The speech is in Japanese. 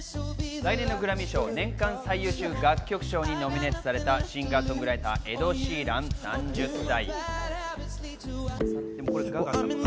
来年のグラミー賞、年間最優秀楽曲賞にノミネートされたシンガー・ソングライター、エド・シーラン３０歳。